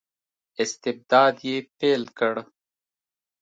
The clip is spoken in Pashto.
استبداد یې پیل کړ.